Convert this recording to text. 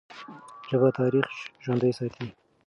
ژبه تاریخ ژوندی ساتي.